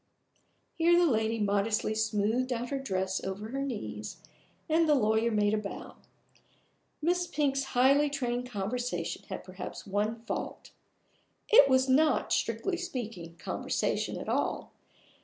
Here the lady modestly smoothed out her dress over her knees, and the lawyer made a bow. Miss Pink's highly trained conversation had perhaps one fault it was not, strictly speaking, conversation at all.